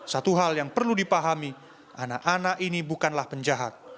satu hal yang perlu dipahami anak anak ini bukanlah penjahat